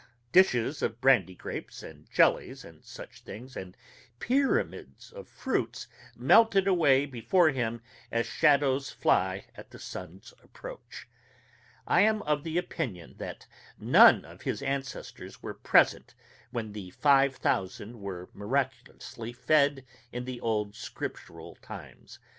Dishes of brandy grapes, and jellies, and such things, and pyramids of fruits melted away before him as shadows fly at the sun's approach. I am of the opinion that none of his ancestors were present when the five thousand were miraculously fed in the old Scriptural times.